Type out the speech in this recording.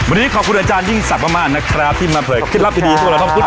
วันนี้ขอบคุณอาจารย์กินสับมากนะครับที่มาเปิดคิดลับดีโน้ท